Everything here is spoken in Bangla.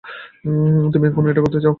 তুমি এখনও এটা করতে চাও?